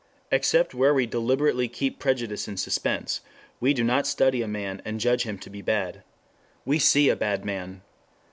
Except where we deliberately keep prejudice in suspense, we do not study a man and judge him to be bad. We see a bad man.